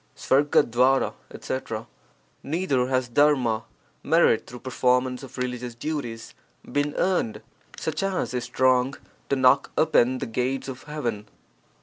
■M'l&K etc. — Neither has dharma (merit through performance of religious duties) been earned, such as is strong to knock open the gates of heaven.